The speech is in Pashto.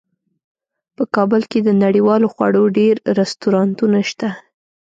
په کابل کې د نړیوالو خوړو ډیر رستورانتونه شته